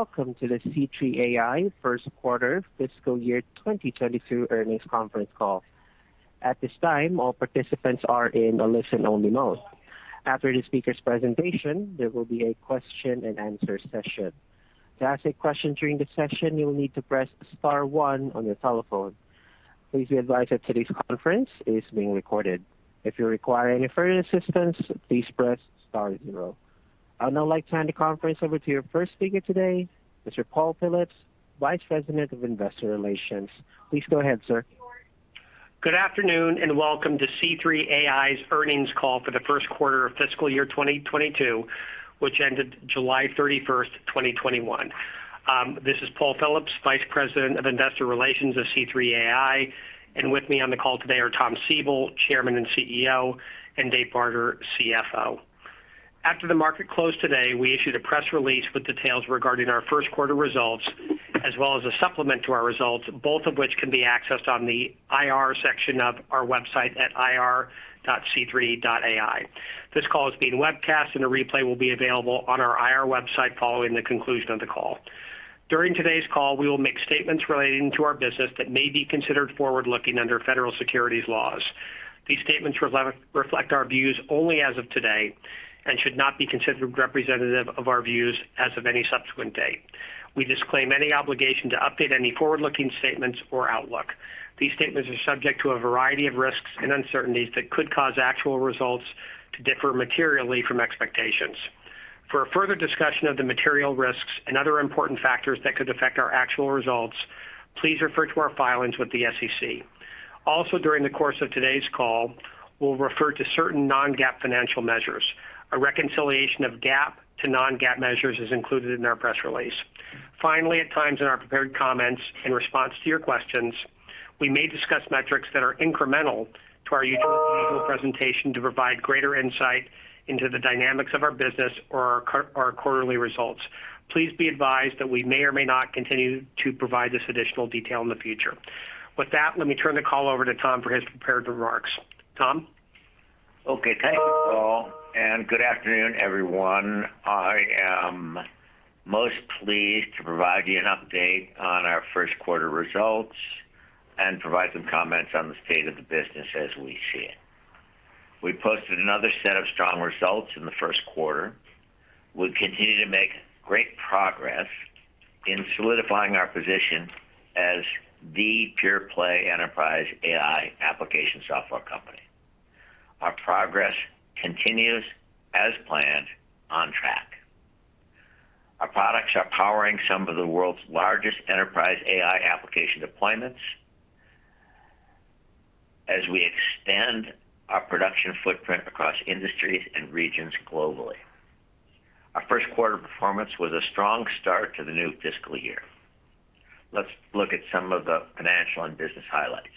Welcome to the C3.ai first quarter FY 2022 earnings conference call. At this time, all participants are in a listen-only mode. After the speaker's presentation, there will be a question-and-answer session. To ask a question during the session, you will need to press star one on your telephone. Please be advised that today's conference is being recorded. If you require any further assistance, please press star zero. I'd now like to hand the conference over to your first speaker today, Mr. Paul Phillips, Vice President of Investor Relations. Please go ahead, sir. Good afternoon, and welcome to C3.ai's earnings call for the first quarter of FY 2022, which ended July 31st, 2021. This is Paul Phillips, Vice President of Investor Relations of C3.ai. With me on the call today are Tom Siebel, Chairman and CEO, and David Barter, CFO. After the market closed today, we issued a press release with details regarding our first quarter results, as well as a supplement to our results, both of which can be accessed on the IR section of our website at ir.c3.ai. This call is being webcast, and a replay will be available on our IR website following the conclusion of the call. During today's call, we will make statements relating to our business that may be considered forward-looking under federal securities laws. These statements reflect our views only as of today, should not be considered representative of our views as of any subsequent date. We disclaim any obligation to update any forward-looking statements or outlook. These statements are subject to a variety of risks and uncertainties that could cause actual results to differ materially from expectations. For a further discussion of the material risks and other important factors that could affect our actual results, please refer to our filings with the SEC. During the course of today's call, we'll refer to certain non-GAAP financial measures. A reconciliation of GAAP to non-GAAP measures is included in our press release. At times in our prepared comments, in response to your questions, we may discuss metrics that are incremental to our usual presentation to provide greater insight into the dynamics of our business or our quarterly results. Please be advised that we may or may not continue to provide this additional detail in the future. With that, let me turn the call over to Tom for his prepared remarks. Tom? Okay. Thank you, Paul, and good afternoon, everyone. I am most pleased to provide you an update on our first quarter results, and provide some comments on the state of the business as we see it. We posted another set of strong results in the first quarter. We continue to make great progress in solidifying our position as the pure play enterprise AI application software company. Our progress continues as planned, on track. Our products are powering some of the world's largest enterprise AI application deployments as we extend our production footprint across industries and regions globally. Our first quarter performance was a strong start to the new fiscal year. Let's look at some of the financial and business highlights.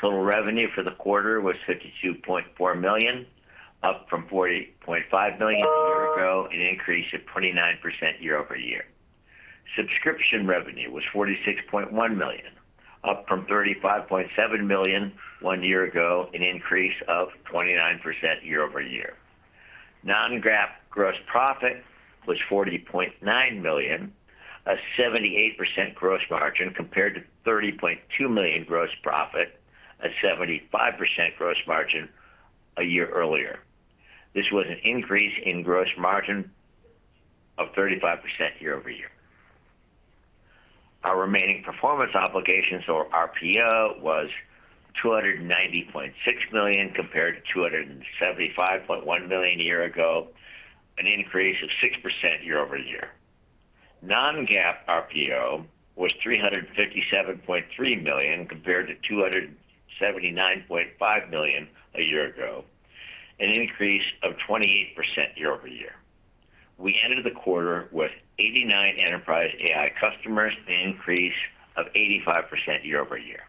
Total revenue for the quarter was $52.4 million, up from $40.5 million a year ago, an increase of 29% year-over-year. Subscription revenue was $46.1 million, up from $35.7 million one year ago, an increase of 29% year-over-year. Non-GAAP gross profit was $40.9 million, a 78% gross margin, compared to $30.2 million gross profit at 75% gross margin a year earlier. This was an increase in gross margin of 35% year-over-year. Our remaining performance obligations or RPO was $290.6 million compared to $275.1 million a year ago, an increase of 6% year-over-year. Non-GAAP RPO was $357.3 million compared to $279.5 million a year ago, an increase of 28% year-over-year. We ended the quarter with 89 enterprise AI customers, an increase of 85% year-over-year.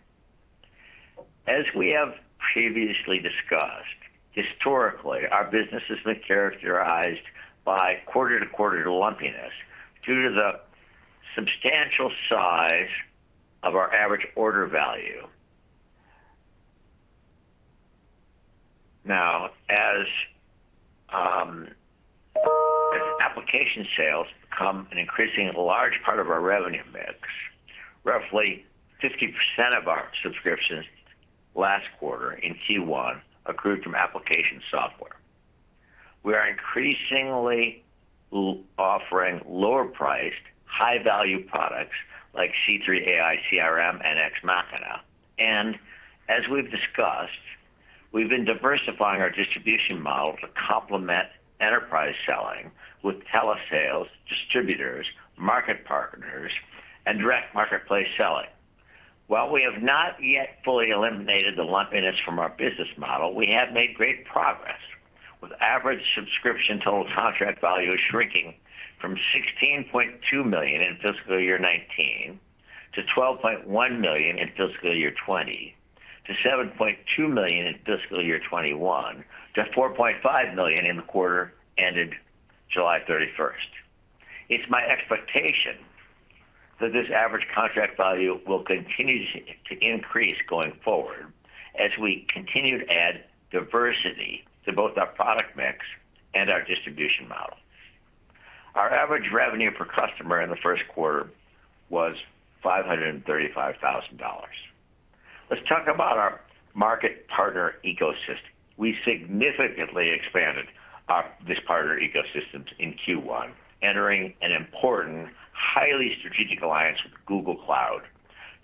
As we have previously discussed, historically, our business has been characterized by quarter-to-quarter lumpiness due to the substantial size of our average order value. As application sales become an increasingly large part of our revenue mix, roughly 50% of our subscriptions last quarter in Q1 accrued from application software. We are increasingly offering lower-priced, high-value products like C3 AI CRM and Ex Machina. As we've discussed, we've been diversifying our distribution model to complement enterprise selling with telesales, distributors, market partners, and direct marketplace selling. While we have not yet fully eliminated the lumpiness from our business model, we have made great progress, with average subscription total contract value shrinking from $16.2 million in FY 2019 to $12.1 million in FY 2020 to $7.2 million in FY 2021 to $4.5 million in the quarter ended July 31st. It's my expectation that this average contract value will continue to increase going forward as we continue to add diversity to both our product mix and our distribution model. Our average revenue per customer in the first quarter was $535,000. Let's talk about our market partner ecosystem. We significantly expanded this partner ecosystems in Q1, entering an important, highly strategic alliance with Google Cloud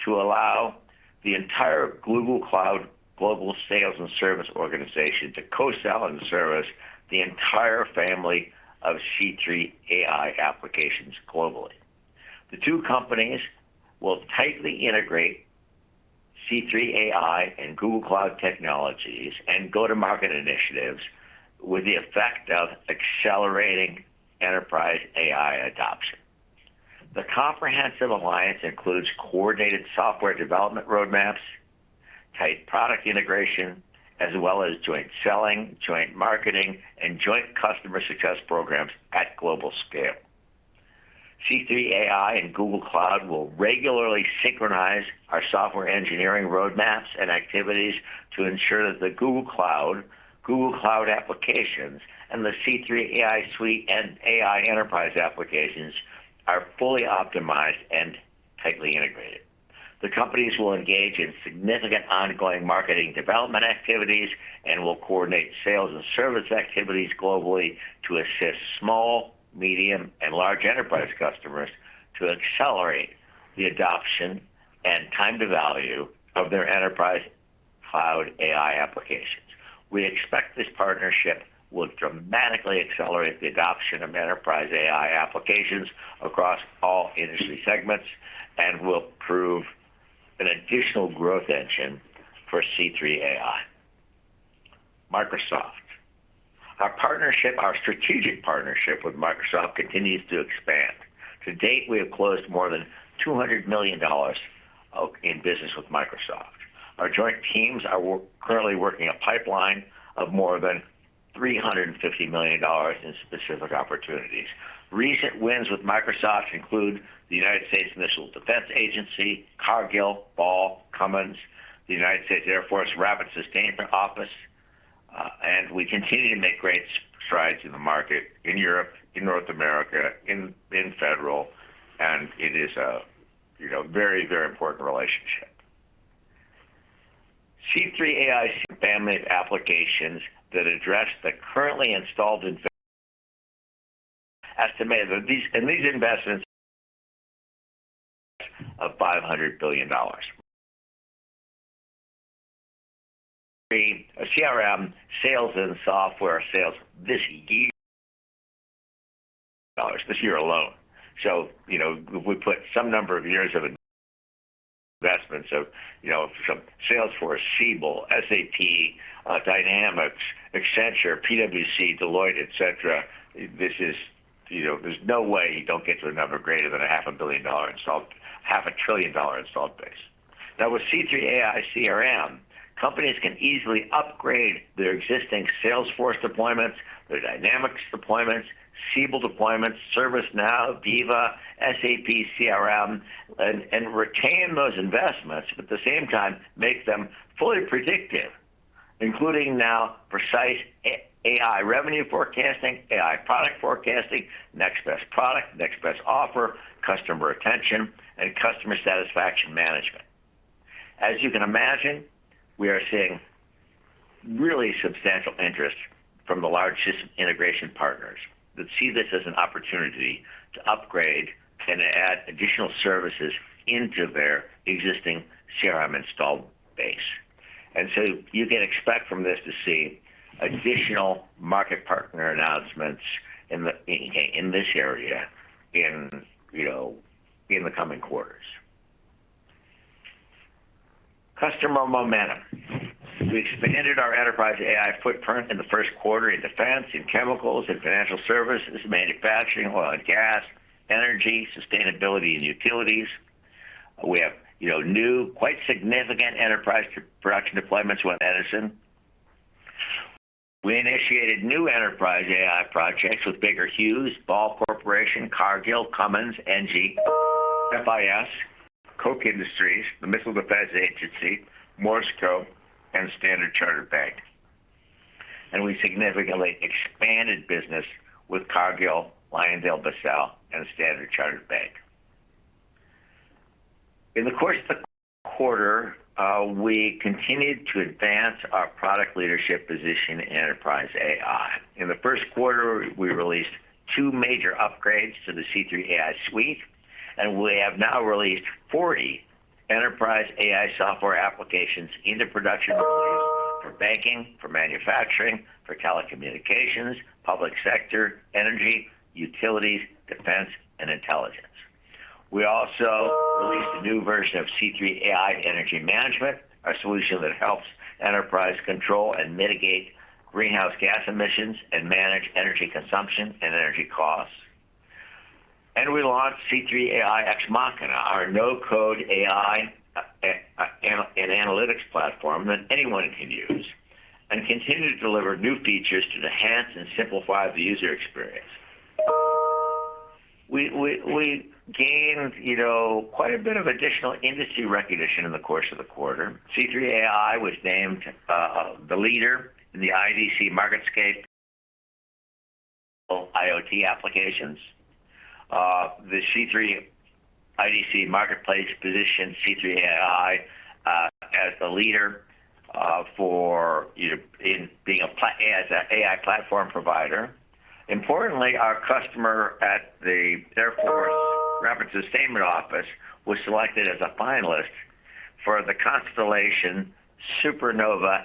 to allow the entire Google Cloud global sales and service organization to co-sell and service the entire family of C3.ai applications globally. The two companies will tightly integrate C3.ai and Google Cloud technologies and go-to-market initiatives with the effect of accelerating enterprise AI adoption. The comprehensive alliance includes coordinated software development roadmaps, tight product integration, as well as joint selling, joint marketing, and joint customer success programs at global scale. C3.ai and Google Cloud will regularly synchronize our software engineering roadmaps and activities to ensure that the Google Cloud applications and the C3 AI Suite and AI enterprise applications are fully optimized and tightly integrated. The companies will engage in significant ongoing marketing development activities and will coordinate sales and service activities globally to assist small, medium, and large enterprise customers to accelerate the adoption and time to value of their enterprise cloud AI applications. We expect this partnership will dramatically accelerate the adoption of enterprise AI applications across all industry segments and will prove an additional growth engine for C3.ai. Microsoft. Our strategic partnership with Microsoft continues to expand. To date, we have closed more than $200 million in business with Microsoft. Our joint teams are currently working a pipeline of more than $350 million in specific opportunities. Recent wins with Microsoft include the United States Missile Defense Agency, Cargill, Ball, Cummins, the United States Air Force Rapid Sustainment Office, and we continue to make great strides in the market in Europe, in North America, in federal, and it is a very important relationship. C3 AI family of applications that address the currently installed. These investments of $500 billion. A CRM sales and software sales dollars this year alone. We put some number of years of investments of some Salesforce, Siebel, SAP, Dynamics, Accenture, PwC, Deloitte, et cetera. There's no way you don't get to a number greater than a half a trillion dollar installed base. Now, with C3 AI CRM, companies can easily upgrade their existing Salesforce deployments, their Dynamics deployments, Siebel deployments, ServiceNow, Veeva, SAP CRM, and retain those investments, but at the same time, make them fully predictive, including now precise AI revenue forecasting, AI product forecasting, next best product, next best offer, customer retention, and customer satisfaction management. As you can imagine, we are seeing really substantial interest from the large system integration partners that see this as an opportunity to upgrade and add additional services into their existing CRM installed base. You can expect from this to see additional market partner announcements in this area in the coming quarters. Customer momentum. We expanded our enterprise AI footprint in the first quarter in defense, in chemicals, in financial services, manufacturing, oil and gas, energy, sustainability, and utilities. We have new, quite significant enterprise production deployments with Edison. We initiated new enterprise AI projects with Baker Hughes, Ball Corporation, Cargill, Cummins, ENGIE, FIS, Koch Industries, the Missile Defense Agency, Morsco, and Standard Chartered Bank. We significantly expanded business with Cargill, LyondellBasell, and Standard Chartered Bank. In the course of the quarter, we continued to advance our product leadership position in enterprise AI. In the first quarter, we released two major upgrades to the C3 AI Suite, and we have now released 40 enterprise AI software applications into production release for banking, for manufacturing, for telecommunications, public sector, energy, utilities, defense, and intelligence. We also released a new version of C3 AI Energy Management, a solution that helps enterprise control and mitigate greenhouse gas emissions and manage energy consumption and energy costs. We launched C3 AI Ex Machina, our no-code AI and analytics platform that anyone can use. We continue to deliver new features to enhance and simplify the user experience. We gained quite a bit of additional industry recognition in the course of the quarter. C3.ai was named the leader in the IDC MarketScape for IoT applications. The C3 IDC MarketScape positioned C3.ai as the leader as an AI platform provider. Importantly, our customer at the Air Force Rapid Sustainment Office was selected as a finalist for the Constellation SuperNova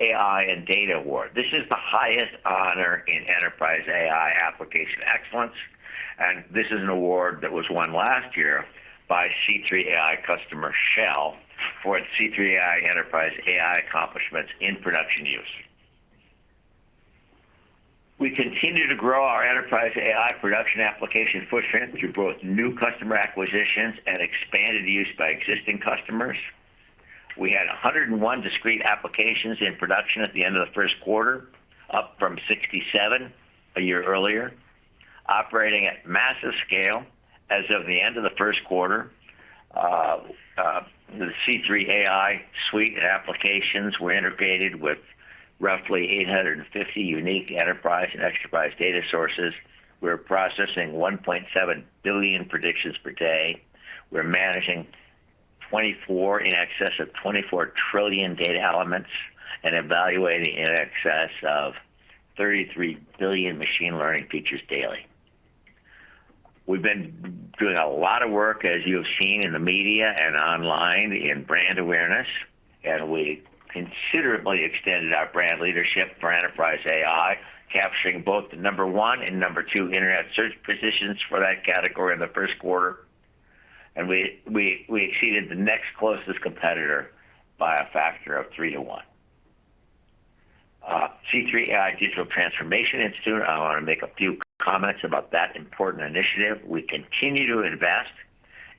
AI and Data Award. This is the highest honor in enterprise AI application excellence, and this is an award that was won last year by C3.ai customer Shell for its C3.ai enterprise AI accomplishments in production use. We continue to grow our enterprise AI production application footprint through both new customer acquisitions and expanded use by existing customers. We had 101 discrete applications in production at the end of the first quarter, up from 67 a year earlier, operating at massive scale. As of the end of the first quarter, the C3 AI Suite of applications were integrated with roughly 850 unique enterprise and extra-enterprise data sources. We're processing 1.7 billion predictions per day. We're managing in excess of 24 trillion data elements and evaluating in excess of 33 billion machine learning features daily. We've been doing a lot of work, as you have seen in the media and online, in brand awareness, and we considerably extended our brand leadership for enterprise AI, capturing both the number one and number two internet search positions for that category in the first quarter. We exceeded the next closest competitor by a factor of three to one. C3.ai Digital Transformation Institute, I want to make a few comments about that important initiative. We continue to invest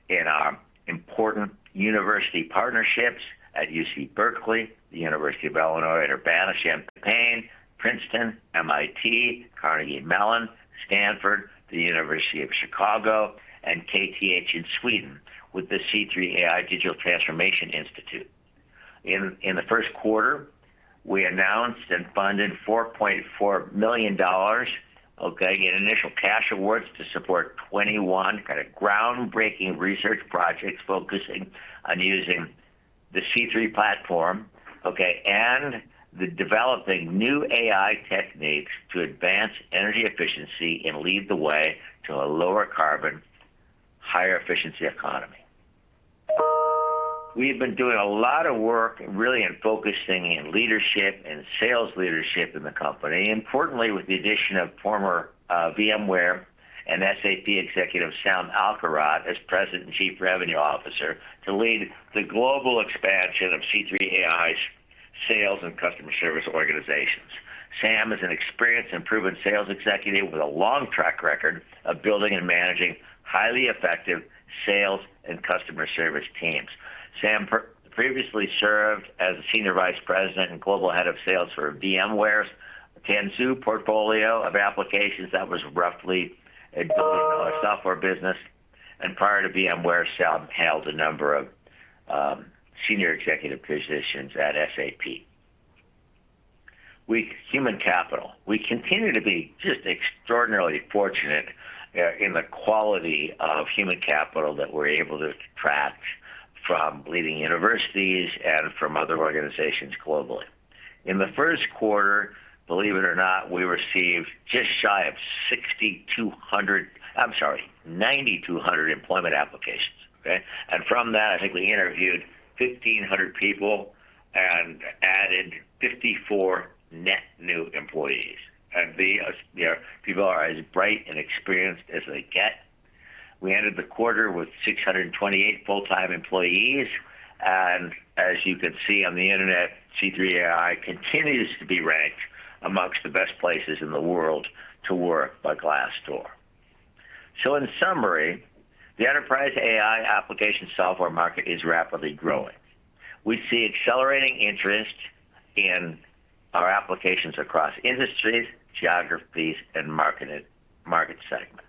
in our important university partnerships at UC Berkeley, the University of Illinois at Urbana-Champaign, Princeton, MIT, Carnegie Mellon, Stanford, the University of Chicago, and KTH in Sweden with the C3.ai Digital Transformation Institute. In the first quarter, we announced and funded $4.4 million in initial cash awards to support 21 groundbreaking research projects focusing on using the C3 platform, and developing new AI techniques to advance energy efficiency and lead the way to a lower-carbon, higher-efficiency economy. We've been doing a lot of work really in focusing in leadership and sales leadership in the company, importantly with the addition of former VMware and SAP executive Sam Alkharrat as President and Chief Revenue Officer to lead the global expansion of C3.ai's sales and customer service organizations. Sam is an experienced and proven sales executive with a long track record of building and managing highly effective sales and customer service teams. Sam previously served as Senior Vice President and Global Head of Sales for VMware Tanzu portfolio of applications. That was roughly a billion-dollar software business. Prior to VMware, Sam held a number of senior executive positions at SAP. Human capital. We continue to be just extraordinarily fortunate in the quality of human capital that we're able to attract from leading universities and from other organizations globally. In the first quarter, believe it or not, we received just shy of 9,200 employment applications. Okay. From that, I think we interviewed 1,500 people and added 54 net new employees. These people are as bright and experienced as they get. We ended the quarter with 628 full-time employees. As you can see on the internet, C3.ai continues to be ranked amongst the best places in the world to work by Glassdoor. In summary, the enterprise AI application software market is rapidly growing. We see accelerating interest in our applications across industries, geographies, and market segments.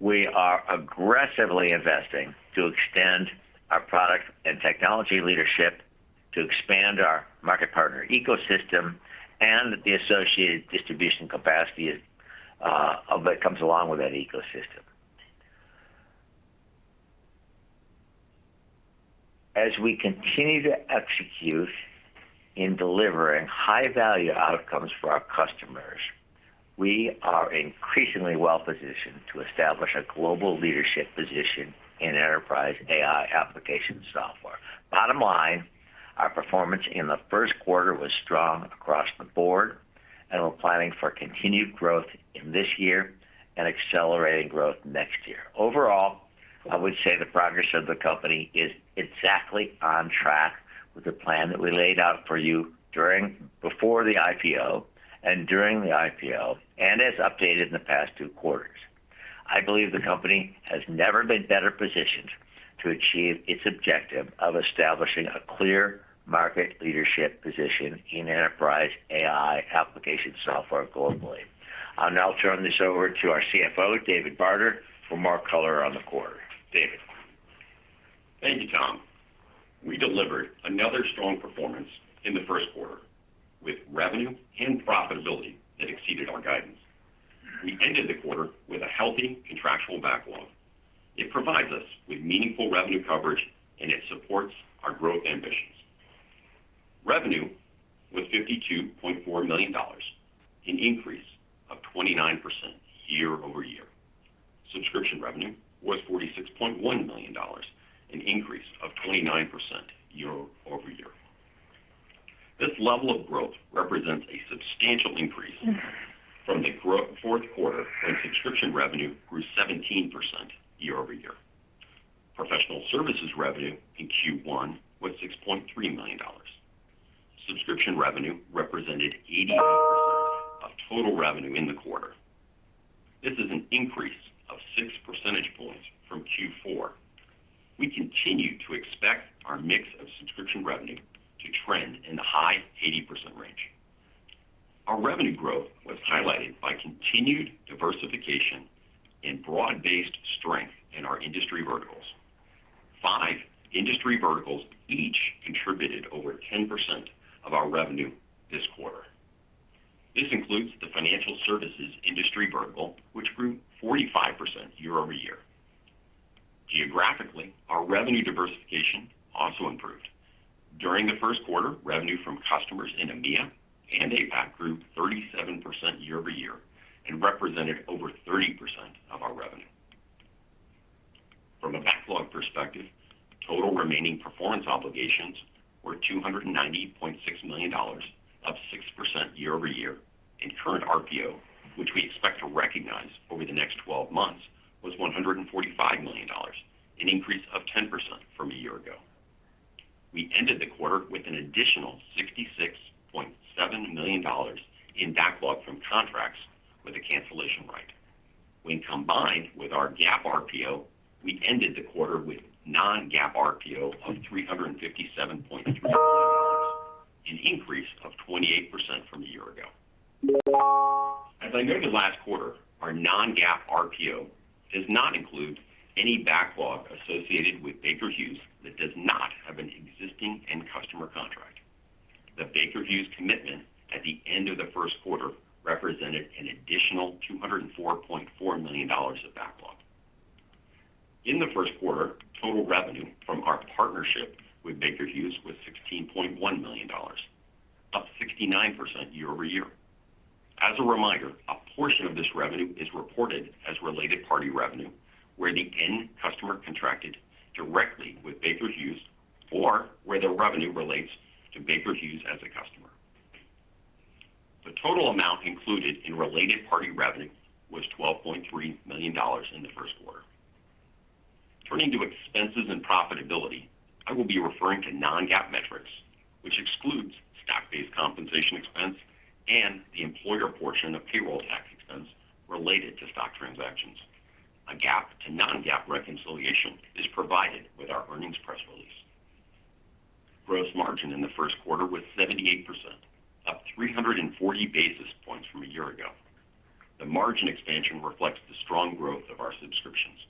We are aggressively investing to extend our product and technology leadership, to expand our market partner ecosystem, and the associated distribution capacity that comes along with that ecosystem. As we continue to execute in delivering high-value outcomes for our customers, we are increasingly well-positioned to establish a global leadership position in enterprise AI application software. Bottom line, our performance in the first quarter was strong across the board. We're planning for continued growth in this year and accelerating growth next year. Overall, I would say the progress of the company is exactly on track with the plan that we laid out for you before the IPO and during the IPO, and as updated in the past two quarters. I believe the company has never been better positioned to achieve its objective of establishing a clear market leadership position in enterprise AI application software globally. I'll now turn this over to our CFO, David Barter, for more color on the quarter. David? Thank you, Tom. We delivered another strong performance in the first quarter, with revenue and profitability that exceeded our guidance. We ended the quarter with a healthy contractual backlog. It provides us with meaningful revenue coverage, and it supports our growth ambitions. Revenue was $52.4 million, an increase of 29% year-over-year. Subscription revenue was $46.1 million, an increase of 29% year-over-year. This level of growth represents a substantial increase from the fourth quarter, when subscription revenue grew 17% year-over-year. Professional services revenue in Q1 was $6.3 million. Subscription revenue represented 80% of total revenue in the quarter. This is an increase of six percentage points from Q4. We continue to expect our mix of subscription revenue to trend in the high 80% range. Our revenue growth was highlighted by continued diversification and broad-based strength in our industry verticals. Five industry verticals each contributed over 10% of our revenue this quarter. This includes the financial services industry vertical, which grew 45% year-over-year. Geographically, our revenue diversification also improved. During the first quarter, revenue from customers in EMEA and APAC grew 37% year-over-year and represented over 30% of our revenue. From a backlog perspective, total remaining performance obligations were $290.6 million, up 6% year-over-year, and current RPO, which we expect to recognize over the next 12 months, was $145 million, an increase of 10% from a year ago. We ended the quarter with an additional $66.7 million in backlog from contracts with a cancellation right. When combined with our GAAP RPO, we ended the quarter with non-GAAP RPO of $357.3 million, an increase of 28% from a year ago. As I noted last quarter, our non-GAAP RPO does not include any backlog associated with Baker Hughes that does not have an existing end customer contract. The Baker Hughes commitment at the end of the first quarter represented an additional $204.4 million of backlog. In the first quarter, total revenue from our partnership with Baker Hughes was $16.1 million, up 69% year-over-year. As a reminder, a portion of this revenue is reported as related party revenue, where the end customer contracted directly with Baker Hughes or where the revenue relates to Baker Hughes as a customer. The total amount included in related party revenue was $12.3 million in the first quarter. Turning to expenses and profitability, I will be referring to non-GAAP metrics, which excludes stock-based compensation expense and the employer portion of payroll tax expense related to stock transactions. A GAAP to non-GAAP reconciliation is provided with our earnings press release. Gross margin in the first quarter was 78%, up 340 basis points from a year ago. The margin expansion reflects the strong growth of our subscriptions.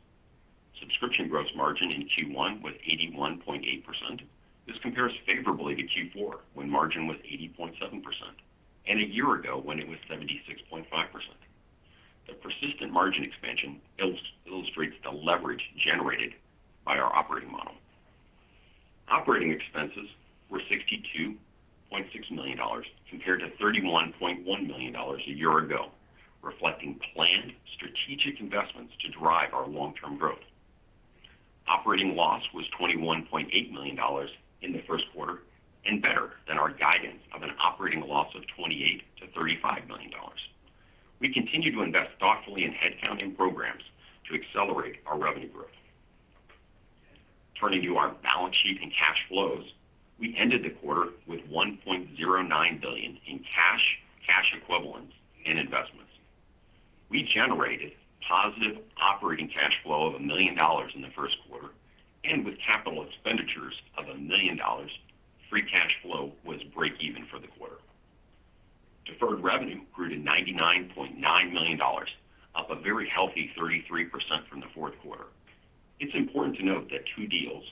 Subscription gross margin in Q1 was 81.8%. This compares favorably to Q4, when margin was 80.7%, and a year ago, when it was 76.5%. The persistent margin expansion illustrates the leverage generated by our operating model. Operating expenses were $62.6 million compared to $31.1 million a year ago, reflecting planned strategic investments to drive our long-term growth. Operating loss was $21.8 million in the first quarter and better than our guidance of an operating loss of $28 million-$35 million. We continue to invest thoughtfully in headcount and programs to accelerate our revenue growth. Turning to our balance sheet and cash flows, we ended the quarter with $1.09 billion in cash equivalents, and investments. We generated positive operating cash flow of $1 million in the first quarter, and with capital expenditures of $1 million, free cash flow was breakeven for the quarter. Deferred revenue grew to $99.9 million, up a very healthy 33% from the fourth quarter. It's important to note that two deals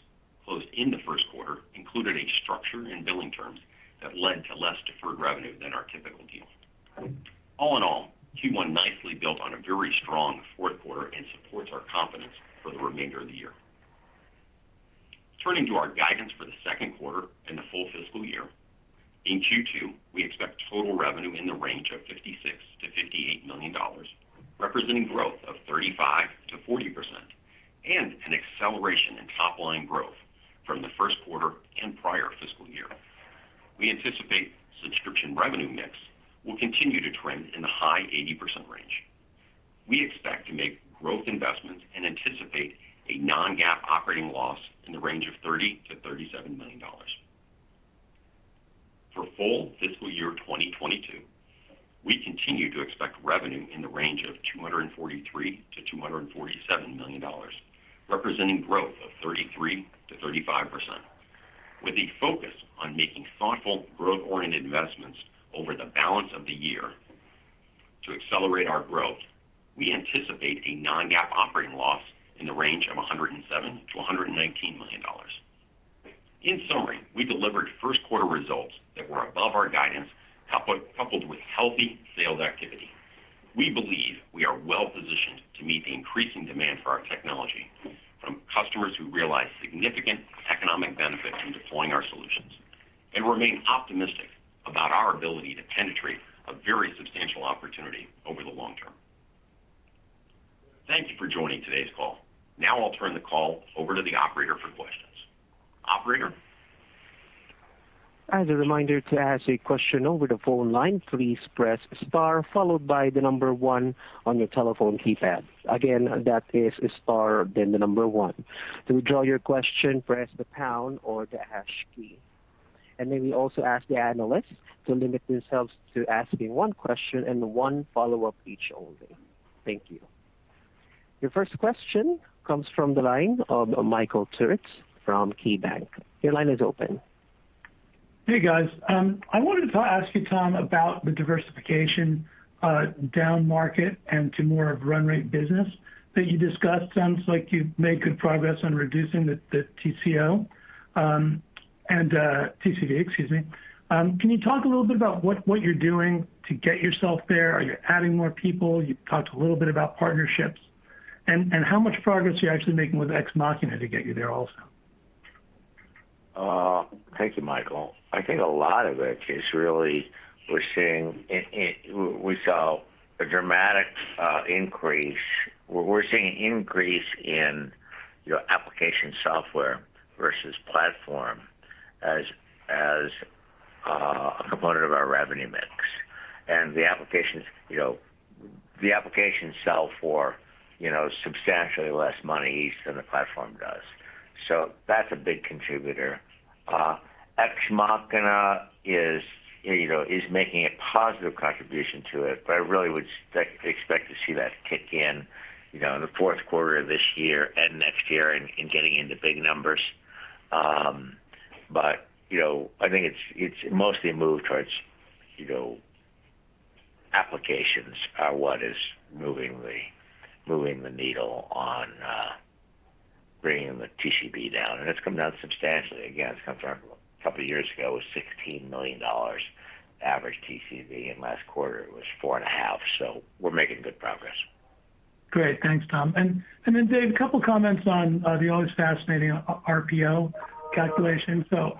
closed in the first quarter included a structure and billing terms that led to less deferred revenue than our typical deal. All in all, Q1 nicely built on a very strong fourth quarter and supports our confidence for the remainder of the year. Turning to our guidance for the second quarter and the full fiscal year. In Q2, we expect total revenue in the range of $56 million-$58 million, representing growth of 35%-40% and an acceleration in top-line growth from the first quarter and prior fiscal year. We anticipate subscription revenue mix will continue to trend in the high 80% range. We expect to make growth investments and anticipate a non-GAAP operating loss in the range of $30 million-$37 million. For full FY 2022, we continue to expect revenue in the range of $243 million-$247 million, representing growth of 33%-35%. With a focus on making thoughtful growth-oriented investments over the balance of the year to accelerate our growth, we anticipate a non-GAAP operating loss in the range of $107 million-$119 million. In summary, we delivered first-quarter results that were above our guidance, coupled with healthy sales activity. We believe we are well-positioned to meet the increasing demand for our technology from customers who realize significant economic benefit from deploying our solutions and remain optimistic about our ability to penetrate a very substantial opportunity over the long term. Thank you for joining today's call. I'll turn the call over to the operator for questions. Operator? As a reminder, to ask a question over the phone line, please press star followed by the number one on your telephone keypad. Again, that is star, then the number one. To withdraw your question, press the pound or the hash key. May we also ask the analysts to limit themselves to asking one question and one follow-up each only. Thank you. Your first question comes from the line of Michael Turits from KeyBanc. Your line is open. Hey, guys. I wanted to ask you, Tom, about the diversification down market and to more of run rate business that you discussed. Sounds like you've made good progress on reducing the TCO, TCV, excuse me. Can you talk a little bit about what you're doing to get yourself there? Are you adding more people? You talked a little bit about partnerships. How much progress are you actually making with Ex Machina to get you there also? Thank you, Michael. I think a lot of it is really we saw a dramatic increase. We're seeing an increase in your application software versus platform as a component of our revenue mix. The applications sell for substantially less money each than the platform does. That's a big contributor. Ex Machina is making a positive contribution to it, but I really would expect to see that kick in the fourth quarter of this year and next year in getting into big numbers. I think it's mostly a move towards applications are what is moving the needle on bringing the TCV down. It's come down substantially. Again, it's come from a couple of years ago, it was $16 million average TCV, and last quarter it was $4.5, so we're making good progress. Great. Thanks, Tom. Then, Dave, a couple of comments on the always fascinating RPO calculation. The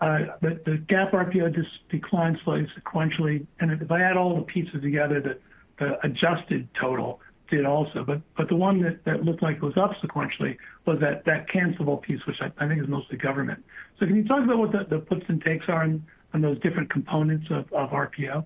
GAAP RPO just declined slightly sequentially, and if I add all the pieces together, the adjusted total did also. The one that looked like it was up sequentially was that cancelable piece, which I think is mostly government. Can you talk about what the puts and takes are on those different components of RPO?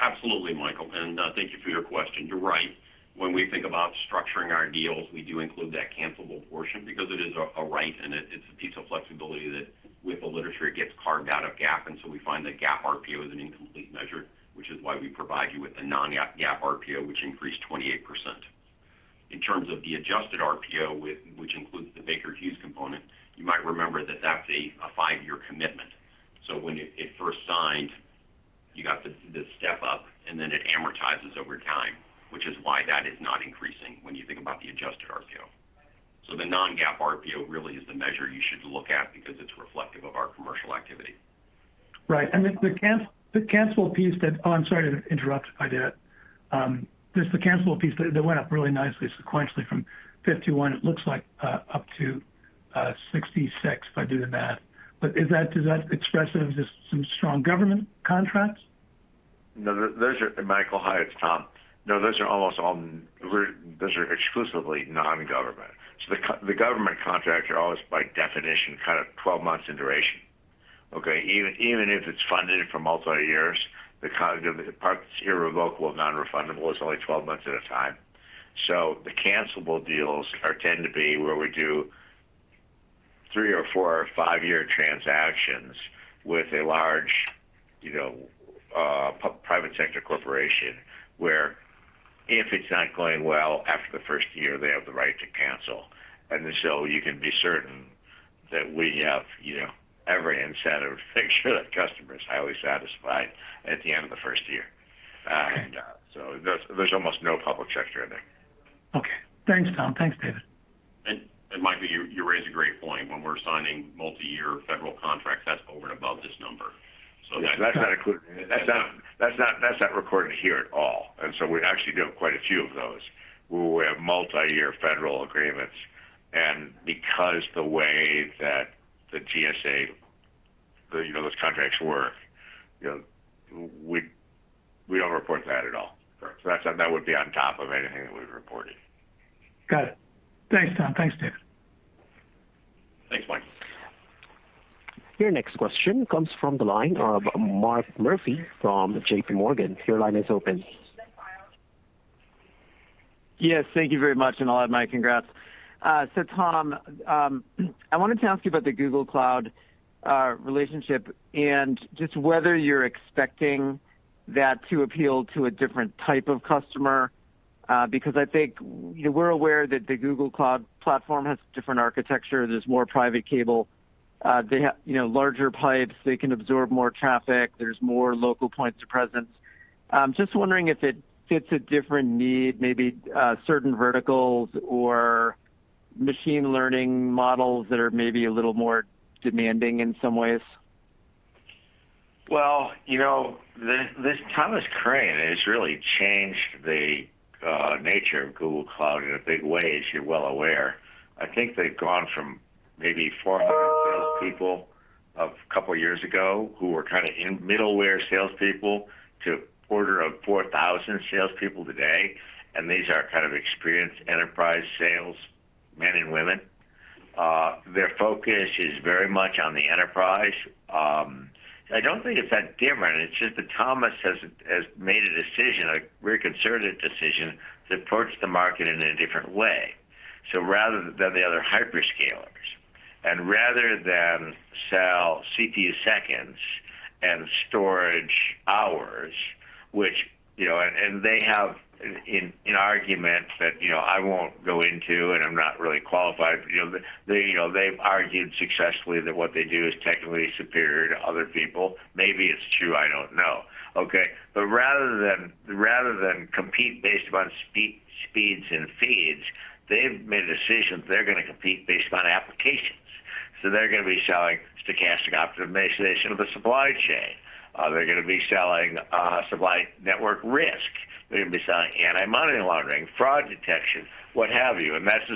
Absolutely, Michael, and thank you for your question. You're right. When we think about structuring our deals, we do include that cancelable portion because it is a right and it's a piece of flexibility that with the literature, it gets carved out of GAAP, and so we find that GAAP RPO is an incomplete measure, which is why we provide you with the non-GAAP RPO, which increased 28%. In terms of the adjusted RPO, which includes the Baker Hughes component, you might remember that that's a five-year commitment. When it first signed, you got this step up, and then it amortizes over time, which is why that is not increasing when you think about the adjusted RPO. The non-GAAP RPO really is the measure you should look at because it's reflective of our commercial activity. Right. Oh, I'm sorry to interrupt. I did. There's the cancelable piece that went up really nicely sequentially from $51, it looks like, up to $66 if I do the math. Is that expressive of just some strong government contracts? No. Michael, hi, it's Tom. No, those are exclusively non-government. The government contracts are always, by definition, kind of 12 months in duration. Okay? Even if it's funded for multi-years, the part that's irrevocable and non-refundable is only 12 months at a time. The cancelable deals tend to be where we do three or four or five-year transactions with a large private sector corporation, where if it's not going well after the first year, they have the right to cancel. You can be certain that we have every incentive to make sure that customer is highly satisfied at the end of the first year. Okay. There's almost no public sector in there. Okay. Thanks, Tom. Thanks, David. Michael, you raised a great point. When we're signing multi-year federal contracts, that's over and above this number. That's not included. That's not recorded here at all. We actually do have quite a few of those where we have multi-year federal agreements, and because the way that the GSA, those contracts work, we don't report that at all. Correct. That would be on top of anything that we've reported. Got it. Thanks, Tom. Thanks, David. Thanks, Michael. Your next question comes from the line of Mark Murphy from J.P. Morgan. Your line is open Thank you very much, and I'll add my congrats. Tom, I wanted to ask you about the Google Cloud relationship and just whether you're expecting that to appeal to a different type of customer, because I think we're aware that the Google Cloud platform has different architecture. There's more private cable. They have larger pipes. They can absorb more traffic. There's more local points of presence. I'm just wondering if it fits a different need, maybe certain verticals or machine learning models that are maybe a little more demanding in some ways. Well, Thomas Kurian has really changed the nature of Google Cloud in a big way, as you're well aware. I think they've gone from maybe 400 salespeople a couple of years ago, who were kind of middleware salespeople, to quarter of 4,000 salespeople today, and these are experienced enterprise sales men and women. Their focus is very much on the enterprise. I don't think it's that different. It's just that Thomas has made a decision, a very concerted decision, to approach the market in a different way. Rather than the other hyperscalers, and rather than sell CPU seconds and storage hours, which, and they have an argument that I won't go into, and I'm not really qualified. They've argued successfully that what they do is technically superior to other people. Maybe it's true, I don't know. Okay? Rather than compete based upon speeds and feeds, they've made a decision that they're going to compete based on applications. They're going to be selling stochastic optimization of a supply chain. They're going to be selling supply network risk. They're going to be selling anti-money laundering, fraud detection, what have you. This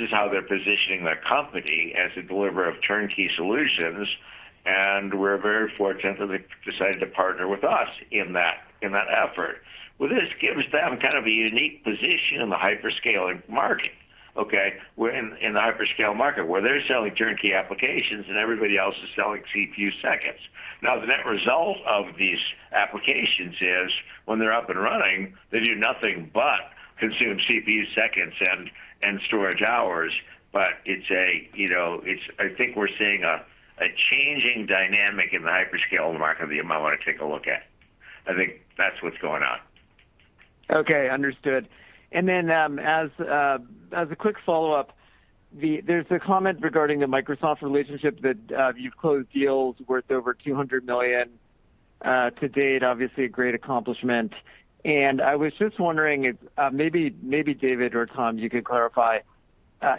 is how they're positioning their company as a deliverer of turnkey solutions, and we're very fortunate that they've decided to partner with us in that effort. Well, this gives them kind of a unique position in the hyperscaling market. Okay? In the hyperscale market, where they're selling turnkey applications, and everybody else is selling CPU seconds. The net result of these applications is when they're up and running, they do nothing but consume CPU seconds and storage hours. I think we're seeing a changing dynamic in the hyperscale market that you might want to take a look at. I think that's what's going on. Okay, understood. Then, as a quick follow-up, there's a comment regarding the Microsoft relationship that you've closed deals worth over $200 million to date, obviously a great accomplishment. I was just wondering if, maybe David or Tom, you could clarify,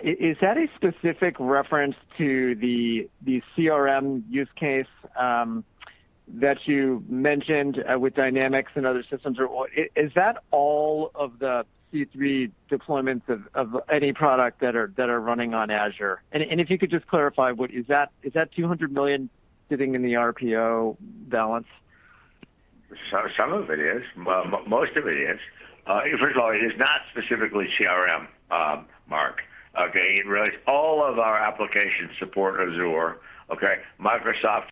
is that a specific reference to the CRM use case that you mentioned with Dynamics and other systems? Or is that all of the C3 deployments of any product that are running on Azure? If you could just clarify, is that $200 million sitting in the RPO balance? Some of it is. Most of it is. First of all, it is not specifically CRM, Mark. Okay? It relates all of our application support Azure. Okay? Microsoft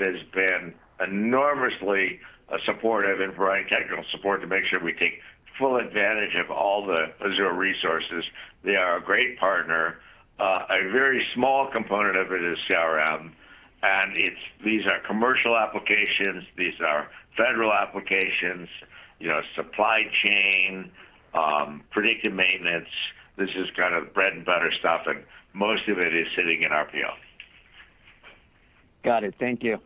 has been enormously supportive and providing technical support to make sure we take full advantage of all the Azure resources. They are a great partner. A very small component of it is CRM, and these are commercial applications. These are federal applications, supply chain, predictive maintenance. This is kind of bread-and-butter stuff, and most of it is sitting in RPO. Got it. Thank you.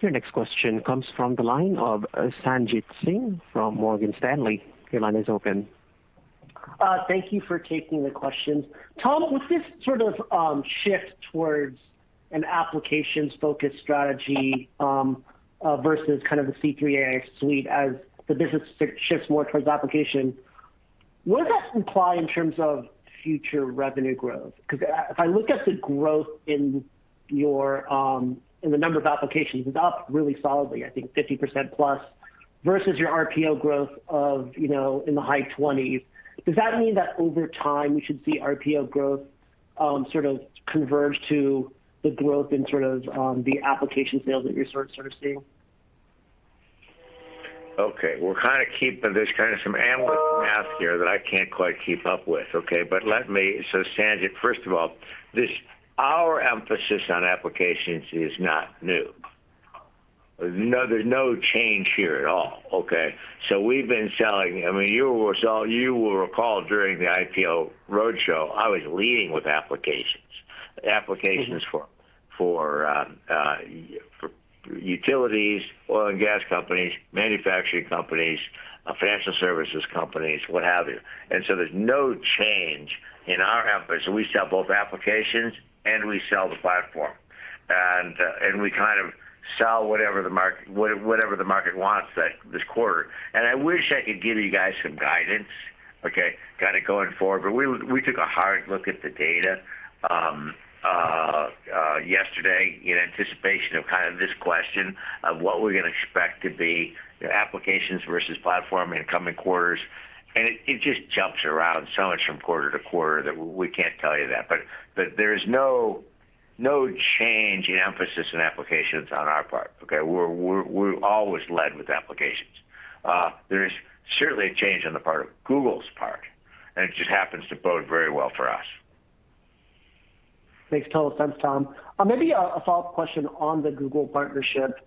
Your next question comes from the line of Sanjit Singh from Morgan Stanley. Your line is open. Thank you for taking the questions. Tom, with this sort of shift towards an applications-focused strategy versus kind of the C3 AI Suite as the business shifts more towards application, what does that imply in terms of future revenue growth? If I look at the growth in the number of applications, it's up really solidly, I think 50%+, versus your RPO growth of in the high 20s. Does that mean that over time, we should see RPO growth sort of converge to the growth in sort of the application sales that you're sort of seeing? Okay. Well, there's kind of some analyst math here that I can't quite keep up with, okay? Sanjit, first of all, our emphasis on applications is not new. There's no change here at all, okay? We've been selling You will recall during the IPO roadshow, I was leading with applications. Applications for utilities, oil and gas companies, manufacturing companies, financial services companies, what have you. There's no change in our emphasis. We sell both applications, and we sell the platform. We kind of sell whatever the market wants this quarter. I wish I could give you guys some guidance, okay, kind of going forward, but we took a hard look at the data yesterday in anticipation of this question of what we're going to expect to be applications versus platform in the coming quarters. It just jumps around so much from quarter to quarter that we can't tell you that. There is no change in emphasis in applications on our part. Okay? We've always led with applications. There is certainly a change on the part of Google's part, and it just happens to bode very well for us. Makes total sense, Tom. Maybe a follow-up question on the Google partnership.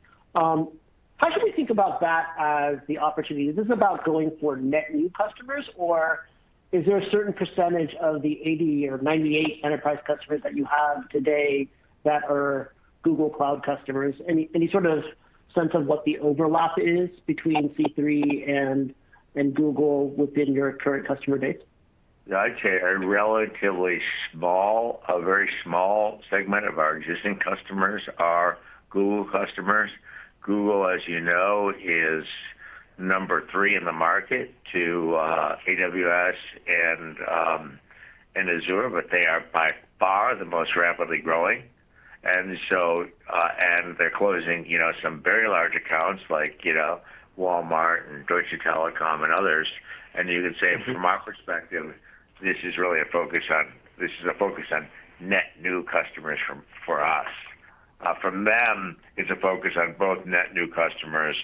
How should we think about that as the opportunity? Is this about going for net new customers, or is there a certain percentage of the 80 or 98 enterprise customers that you have today that are Google Cloud customers? Any sort of sense of what the overlap is between C3 and Google within your current customer base? I'd say a relatively small, a very small segment of our existing customers are Google customers. Google, as you know, is number three in the market to AWS and Azure, but they are by far the most rapidly growing. They're closing some very large accounts like Walmart and Deutsche Telekom and others. You could say from our perspective, this is a focus on net new customers for us. For them, it's a focus on both net new customers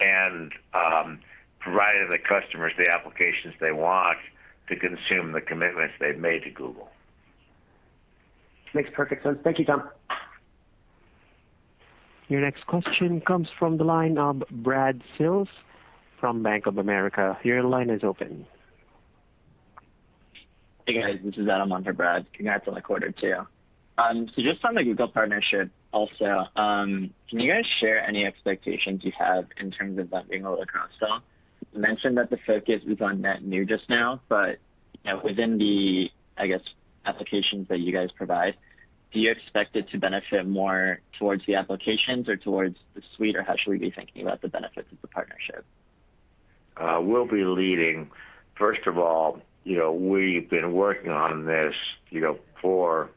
and providing the customers the applications they want to consume the commitments they've made to Google. Makes perfect sense. Thank you, Tom. Your next question comes from the line of Brad Sills from Bank of America. Your line is open. Hey, guys. This is Adam on for Brad. Congrats on the quarter, too. Just on the Google partnership also, can you guys share any expectations you have in terms of that being a cross-sell? You mentioned that the focus is on net new just now, but within the, I guess, applications that you guys provide, do you expect it to benefit more towards the applications or towards the suite? How should we be thinking about the benefits of the partnership? We'll be leading. First of all, we've been working on this for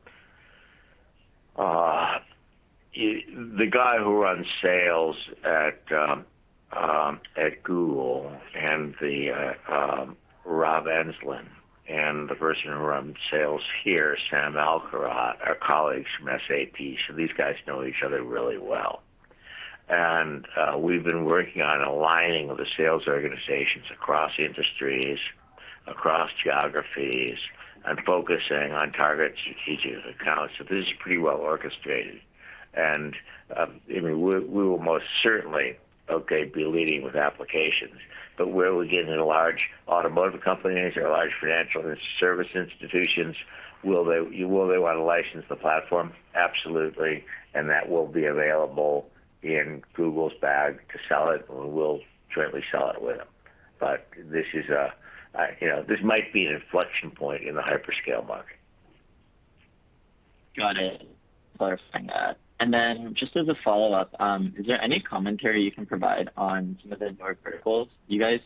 The guy who runs sales at Google, Rob Enslin, and the person who runs sales here, Sam Alkharrat, are colleagues from SAP. These guys know each other really well. We've been working on aligning the sales organizations across industries, across geographies, and focusing on target strategic accounts. This is pretty well orchestrated. We will most certainly, okay, be leading with applications. Where we get into large automotive companies or large financial service institutions, will they want to license the platform? Absolutely, that will be available in Google's bag to sell it. We will jointly sell it with them. This might be an inflection point in the hyperscale market. Got it. Clarifying that. Then just as a follow-up, is there any commentary you can provide on some of the end market verticals? You guys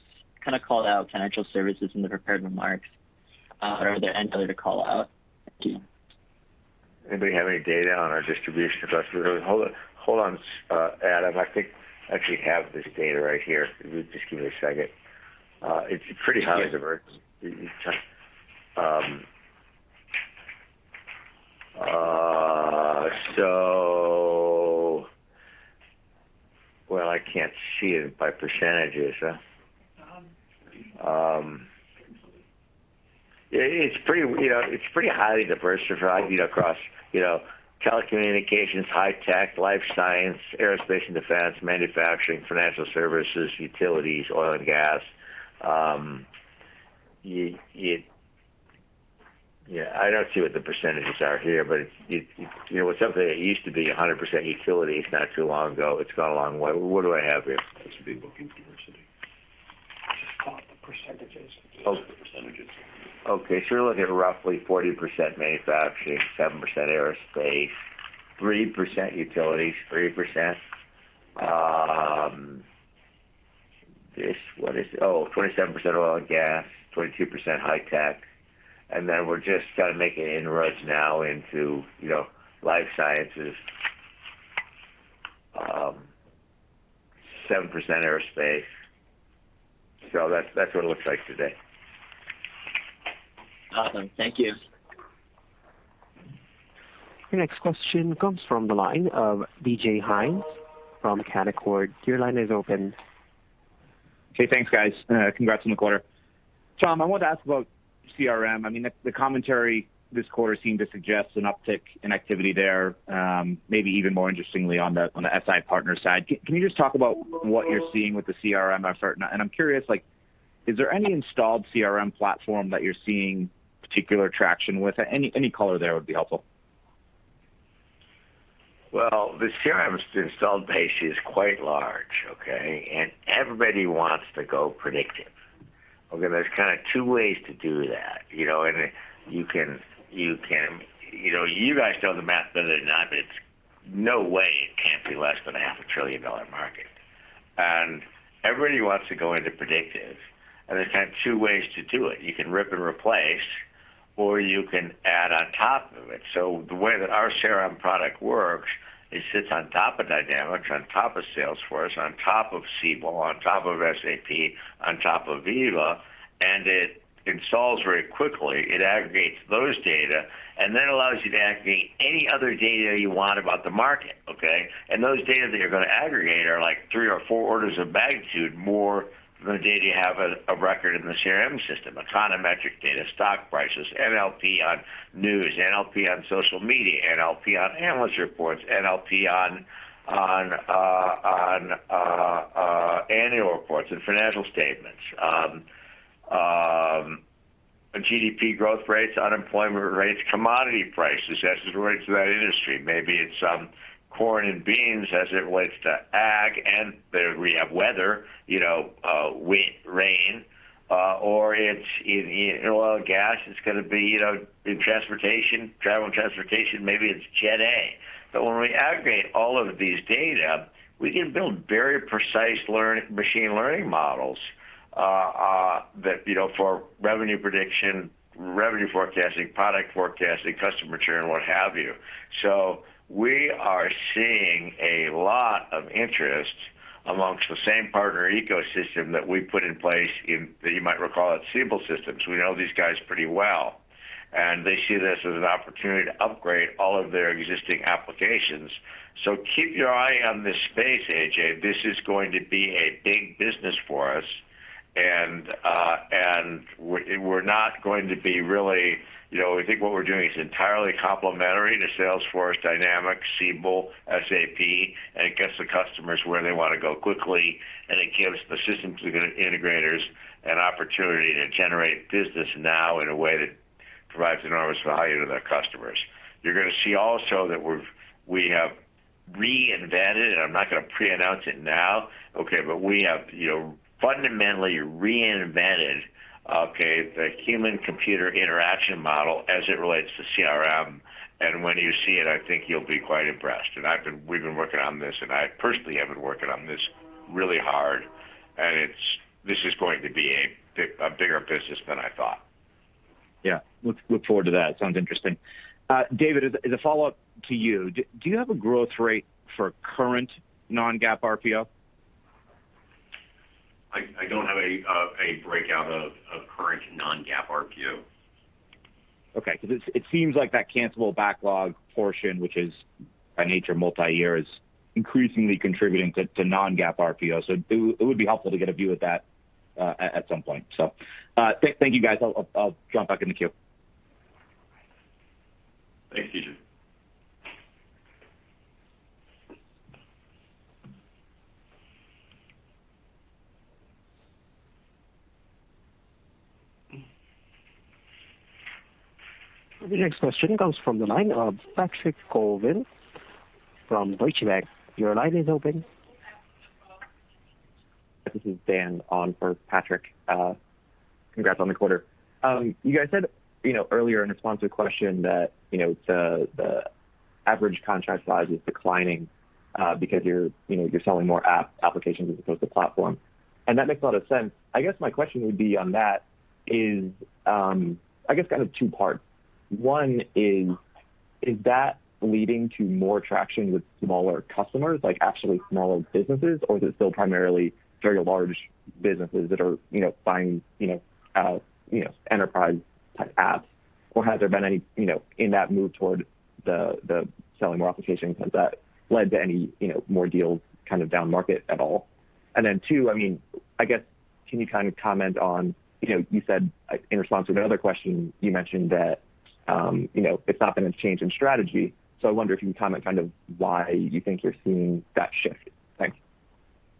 called out financial services in the prepared remarks. Are there any other to call out? Thank you. Anybody have any data on our distribution? Hold on, Adam. I think I actually have this data right here. Just give me a second. Sure Well, I can't see it by percentages. It's pretty highly diversified across telecommunications, high tech, life science, aerospace and defense, manufacturing, financial services, utilities, oil and gas. I don't see what the percentages are here, but it's something that used to be 100% utilities not too long ago. It's gone a long way. What do I have here? It should be booking diversity. Just pull up the percentages. The percentages. Okay. You're looking at roughly 40% manufacturing, 7% aerospace, 3% utilities, 3%. What is it? Oh, 27% oil and gas, 22% high tech. Then we're just making inroads now into life sciences. 7% aerospace. That's what it looks like today. Awesome. Thank you. Your next question comes from the line of D.J. Hynes from Canaccord. Your line is open. Okay, thanks guys. Congrats on the quarter. Tom, I wanted to ask about CRM. The commentary this quarter seemed to suggest an uptick in activity there, maybe even more interestingly on the SI partner side. Can you just talk about what you're seeing with the CRM effort? I'm curious, is there any installed CRM platform that you're seeing particular traction with? Any color there would be helpful. The CRM installed base is quite large, okay? Everybody wants to go predictive. There's two ways to do that. You guys know the math better than I, but no way it can't be less than a half a trillion-dollar market. Everybody wants to go into predictive, and there's two ways to do it. You can rip and replace or you can add on top of it. The way that our CRM product works, it sits on top of Dynamics, on top of Salesforce, on top of Siebel, on top of SAP, on top of Viva, and it installs very quickly. It aggregates those data, and then allows you to aggregate any other data you want about the market. Okay? Those data that you're going to aggregate are like three or four orders of magnitude more than the data you have a record in the CRM system, econometric data, stock prices, NLP on news, NLP on social media, NLP on analyst reports, NLP on annual reports and financial statements, GDP growth rates, unemployment rates, commodity prices as it relates to that industry. Maybe it's corn and beans as it relates to ag and we have weather, wind, rain, or it's in oil gas, it's going to be in transportation, travel and transportation, maybe it's Jet A. When we aggregate all of these data, we can build very precise machine learning models for revenue prediction, revenue forecasting, product forecasting, customer churn, what have you. We are seeing a lot of interest amongst the same partner ecosystem that we put in place that you might recall at Siebel Systems. We know these guys pretty well, and they see this as an opportunity to upgrade all of their existing applications. Keep your eye on this space, D.J. This is going to be a big business for us, and We think what we're doing is entirely complementary to Salesforce, Dynamics, Siebel, SAP, and it gets the customers where they want to go quickly, and it gives the systems integrators an opportunity to generate business now in a way that provides enormous value to their customers. You're going to see also that we have reinvented, and I'm not going to pre-announce it now, okay, but we have fundamentally reinvented, the human-computer interaction model as it relates to CRM. When you see it, I think you'll be quite impressed. We've been working on this, and I personally have been working on this really hard, and this is going to be a bigger business than I thought. Yeah. Look forward to that. Sounds interesting. David, as a follow-up to you, do you have a growth rate for current non-GAAP RPO? I don't have a breakout of current non-GAAP RPO. Okay. It seems like that cancelable backlog portion, which is by nature multi-year, is increasingly contributing to non-GAAP RPO. It would be helpful to get a view of that at some point. Thank you, guys. I'll jump back in the queue. Thanks, D.J. The next question comes from the line of Patrick Colville from Deutsche Bank. Your line is open. This is Dan on for Patrick. Congrats on the quarter. You guys said earlier in response to a question that the average contract size is declining, because you're selling more applications as opposed to platform. That makes a lot of sense. My question would be on that is, kind of two parts. One is, that leading to more traction with smaller customers, like actually smaller businesses, or is it still primarily very large businesses that are buying enterprise-type apps? Or has there been any, in that move toward the selling more applications, has that led to any more deals down market at all? Two, I guess, can you comment on, you said in response to another question, you mentioned that it's not been a change in strategy. I wonder if you can comment why you think you're seeing that shift. Thanks.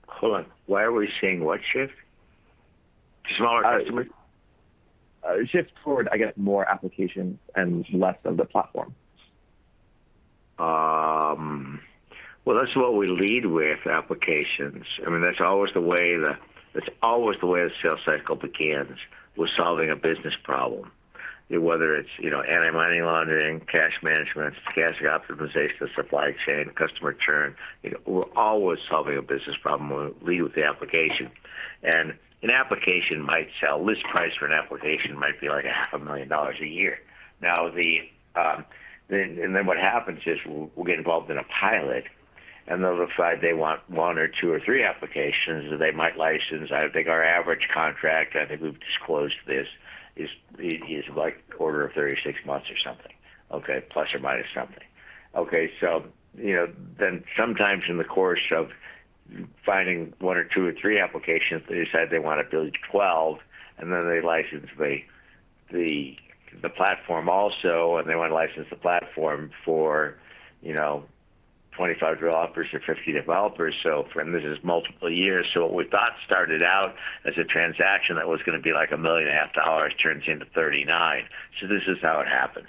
Hold on. Why are we seeing what shift? To smaller customers? A shift toward, I guess, more applications and less of the platform. Well, that's what we lead with, applications. That's always the way the sales cycle begins, with solving a business problem. Whether it's anti-money laundering, cash management, cash optimization, supply chain, customer churn. We're always solving a business problem. We lead with the application. An application might sell, list price for an application might be like a half a million dollars a year. Then what happens is we'll get involved in a pilot, and they'll decide they want one or two or three applications that they might license. I think our average contract, I think we've disclosed this, is like quarter of 36 months or something. Okay. Plus or minus something. Okay. Sometimes in the course of finding one or two or three applications, they decide they want to build 12, then they license the platform also, and they want to license the platform for 25 developers or 50 developers. This is multiple years. What we thought started out as a transaction that was going to be like a million and a half dollars turns into $39 million. This is how it happens.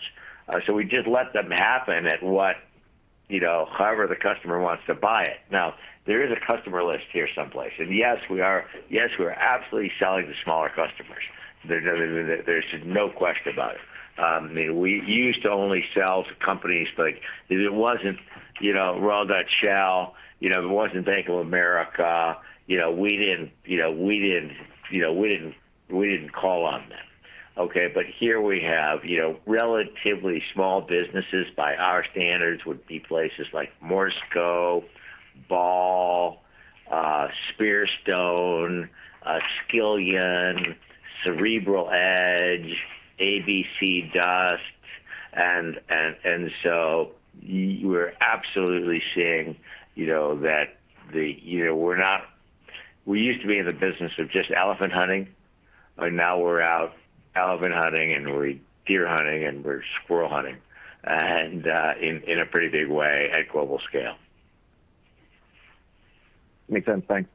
We just let them happen at however the customer wants to buy it. There is a customer list here someplace. Yes, we're absolutely selling to smaller customers. There's no question about it. We used to only sell to companies like, if it wasn't Royal Dutch Shell, if it wasn't Bank of America, we didn't call on them. Okay, here we have relatively small businesses by our standards would be places like Morsco, Ball, Spearstone, Skillian, CerebralEdge, ABCDust, and so we're absolutely seeing that we used to be in the business of just elephant hunting, but now we're out elephant hunting, and we're deer hunting, and we're squirrel hunting, and in a pretty big way at global scale. Makes sense. Thanks.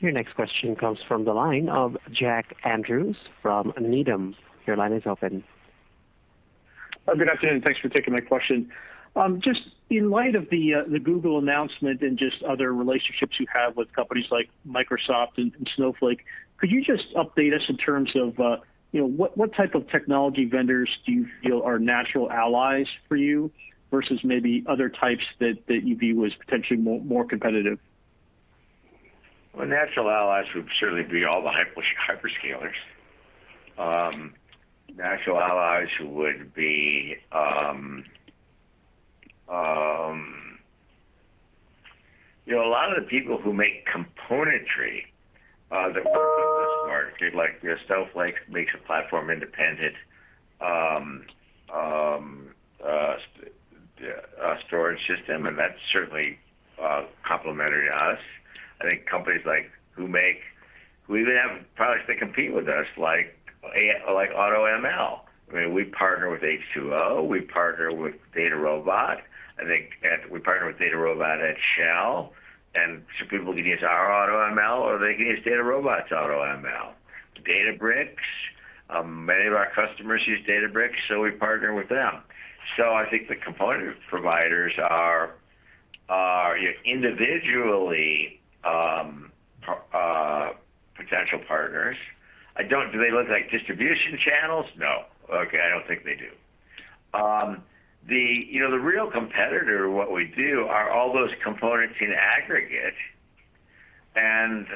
Your next question comes from the line of Jack Andrews from Needham. Your line is open. Good afternoon. Thanks for taking my question. Just in light of the Google announcement and just other relationships you have with companies like Microsoft and Snowflake, could you just update us in terms of what type of technology vendors do you feel are natural allies for you versus maybe other types that you view as potentially more competitive? Well, natural allies would certainly be all the hyperscalers. Natural allies would be a lot of the people who make componentry that work with this market, like your Snowflake makes a platform-independent storage system, That's certainly complementary to us. I think companies who even have products that compete with us, like AutoML. We partner with H2O, we partner with DataRobot. I think we partner with DataRobot at Shell, people can use our AutoML, or they can use DataRobot's AutoML. Databricks, many of our customers use Databricks, We partner with them. I think the component providers are individually potential partners. Do they look like distribution channels? No. Okay. I don't think they do. The real competitor of what we do are all those components in aggregate and,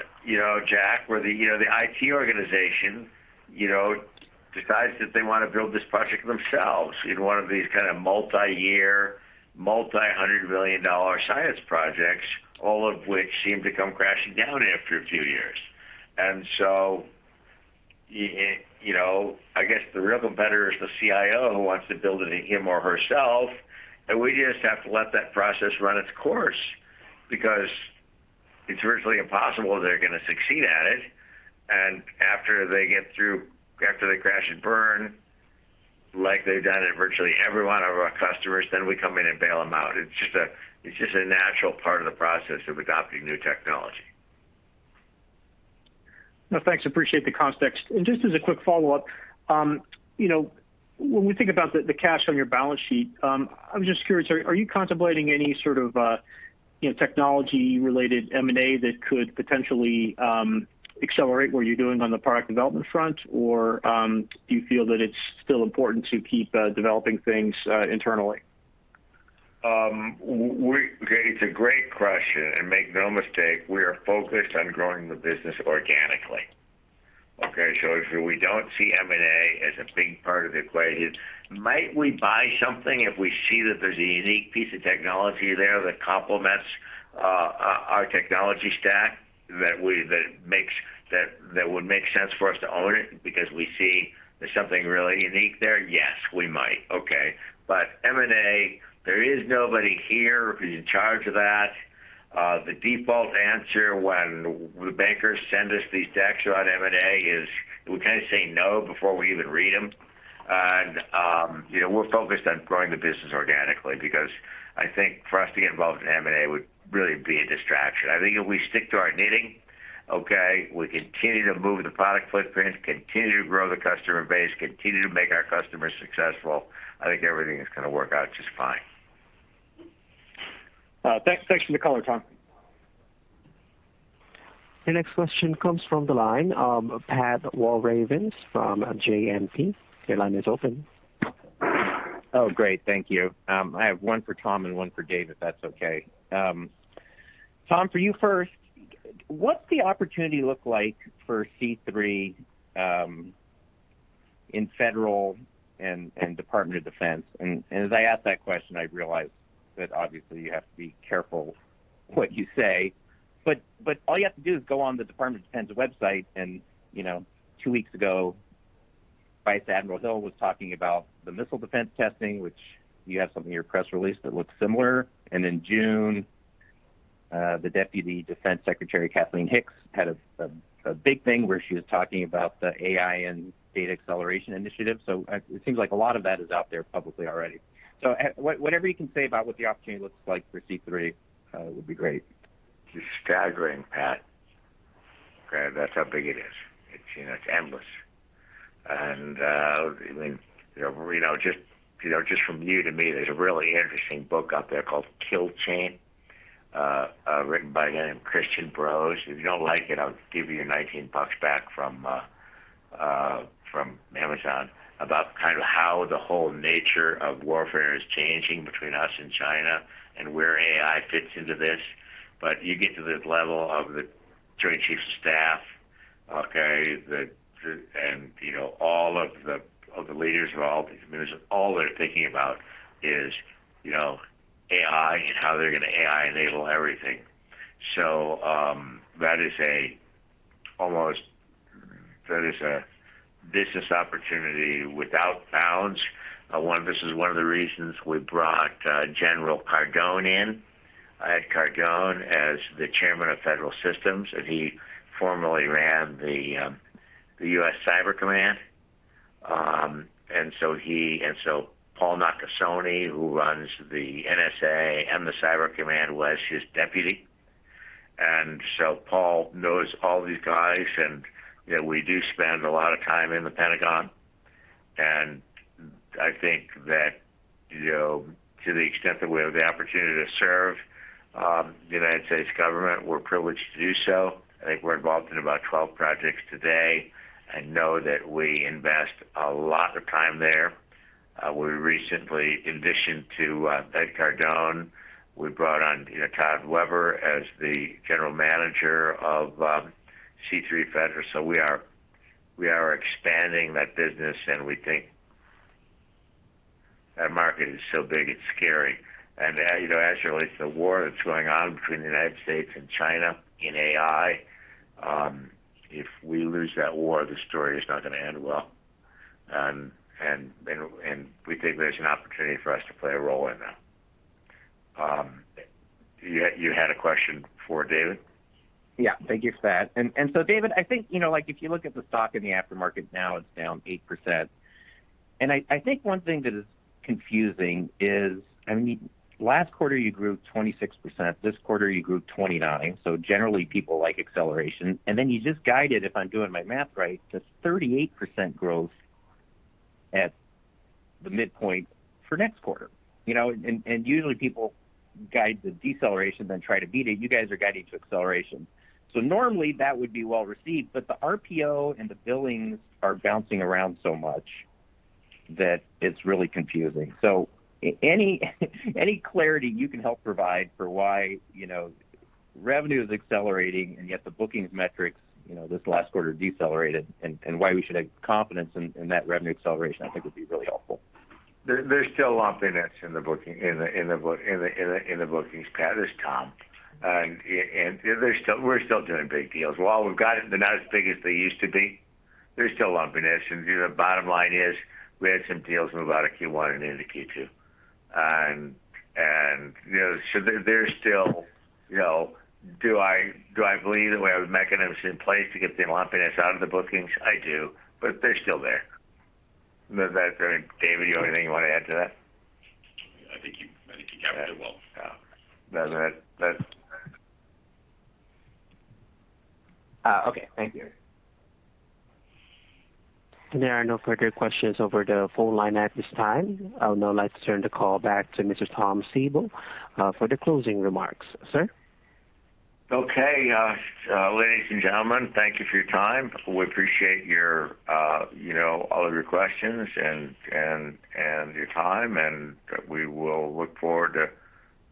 Jack, where the IT organization decides that they want to build this project themselves in one of these kind of multi-year, multi-hundred-million-dollar science projects, all of which seem to come crashing down after a few years. I guess the real competitor is the CIO who wants to build it him or herself, and we just have to let that process run its course because it's virtually impossible they're going to succeed at it, and after they crash and burn, like they've done at virtually every one of our customers, then we come in and bail them out. It's just a natural part of the process of adopting new technology. No, thanks. Appreciate the context. Just as a quick follow-up, when we think about the cash on your balance sheet, I'm just curious, are you contemplating any sort of technology-related M&A that could potentially accelerate what you're doing on the product development front? Do you feel that it's still important to keep developing things internally? It's a great question. Make no mistake, we are focused on growing the business organically. Okay, we don't see M&A as a big part of the equation. Might we buy something if we see that there's a unique piece of technology there that complements our technology stack that would make sense for us to own it because we see there's something really unique there? Yes, we might. Okay. M&A, there is nobody here who's in charge of that. The default answer when the bankers send us these decks about M&A is we kind of say no before we even read them. We're focused on growing the business organically because I think for us to get involved in M&A would really be a distraction. I think if we stick to our knitting, okay, we continue to move the product footprint, continue to grow the customer base, continue to make our customers successful, I think everything is going to work out just fine. Thanks for the color, Tom. The next question comes from the line of Pat Walravens from JMP. Your line is open. Oh, great. Thank you. I have one for Tom and one for David, if that's okay. Tom, for you first, what's the opportunity look like for C3 in Federal and Department of Defense? As I ask that question, I realize that obviously you have to be careful what you say. All you have to do is go on the department website and two weeks ago, Vice Admiral Hill was talking about the missile defense testing, which you have something in your press release that looks similar. In June, the Deputy Defense Secretary Kathleen Hicks had a big thing where she was talking about the AI and data acceleration initiative. It seems like a lot of that is out there publicly already. Whatever you can say about what the opportunity looks like for C3 would be great. It's staggering, Pat. That's how big it is. It's endless. Just from you to me, there's a really interesting book out there called "The Kill Chain," written by a guy named Christian Brose. If you don't like it, I'll give you your $19 back from Amazon about how the whole nature of warfare is changing between us and China, and where AI fits into this. You get to the level of the Joint Chiefs of Staff and all of the leaders of all these committees, all they're thinking about is AI and how they're going to AI-enable everything. That is a business opportunity without bounds. This is one of the reasons we brought General Cardon in. Ed Cardon as the Chairman of Federal Systems, and he formerly ran the U.S. Cyber Command. Paul Nakasone, who runs the NSA and the Cyber Command, was his deputy. Paul knows all these guys, and we do spend a lot of time in the Pentagon. I think that to the extent that we have the opportunity to serve the United States government, we're privileged to do so. I think we're involved in about 12 projects today and know that we invest a lot of time there. We recently, in addition to Ed Cardon, we brought on Tod Weber as the General Manager of C3 Federal. We are expanding that business, and we think that market is so big, it's scary. As it relates to the war that's going on between the United States and China in AI, if we lose that war, the story is not going to end well. We think there's an opportunity for us to play a role in that. You had a question for David? Yeah. Thank you for that. David, I think, if you look at the stock in the aftermarket now, it's down 8%. I think one thing that is confusing is, last quarter you grew 26%, this quarter you grew 29%. Generally, people like acceleration. You just guided, if I'm doing my math right, to 38% growth at the midpoint for next quarter. Usually people guide the deceleration, then try to beat it. You guys are guiding to acceleration. Normally, that would be well-received, but the RPO and the billings are bouncing around so much that it's really confusing. Any clarity you can help provide for why revenue is accelerating and yet the bookings metrics this last quarter decelerated, and why we should have confidence in that revenue acceleration, I think would be really helpful. There's still lumpiness in the bookings, Pat, there's comp. We're still doing big deals. While we've got it, they're not as big as they used to be, there's still lumpiness. The bottom line is, we had some deals move out of Q1 and into Q2. Do I believe that we have the mechanisms in place to get the lumpiness out of the bookings? I do, but they're still there. David, you have anything you want to add to that? I think you captured it well. Yeah. Okay. Thank you. There are no further questions over the phone line at this time. I would now like to turn the call back to Mr. Tom Siebel for the closing remarks. Sir? Ladies and gentlemen, thank you for your time. We appreciate all of your questions and your time. We will look forward to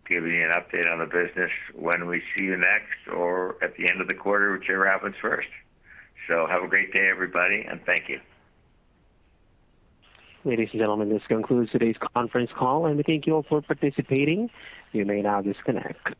giving you an update on the business when we see you next or at the end of the quarter, whichever happens first. Have a great day, everybody, and thank you. Ladies and gentlemen, this concludes today's conference call, and we thank you all for participating. You may now disconnect.